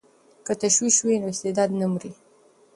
که تشویق وي نو استعداد نه مري.